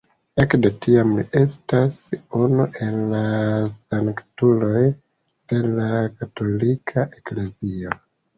Ekde tiam, li estas unu el la sanktuloj de la katolika eklezio.